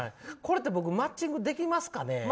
これ、僕マッチングできますかね。